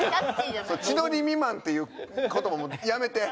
「千鳥未満」っていう言葉もうやめて。